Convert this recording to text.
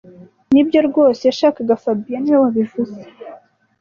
Nibyo rwose yashakaga fabien niwe wabivuze